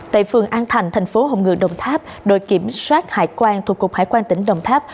tại phường an thành thành phố hồng ngựa đồng tháp đội kiểm soát hải quan thuộc cục hải quan tỉnh đồng tháp